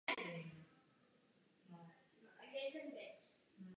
Finské domky.